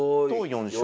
４勝。